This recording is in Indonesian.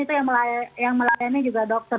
itu yang melayani juga dokter